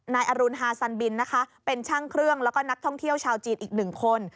นายอรุณฮาซันบินนะคะเป็นช่างเครื่องแล้วก็นักท่องเที่ยวชาวจีนอีกหนึ่งคน